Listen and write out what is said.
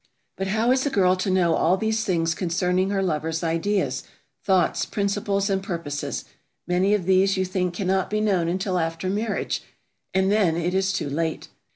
But how is a girl to know all these things concerning her lover's ideas, thoughts, principles, and purposes? Many of these you think cannot be known until after marriage, and then it is too late.